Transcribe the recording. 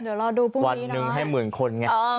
เดี๋ยวรอดูพรุ่งนี้วันหนึ่งให้หมื่นคนไง